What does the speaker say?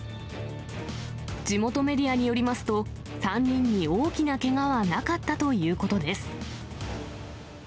地元メディアによりますと、３人に大きなけがはなかったということです。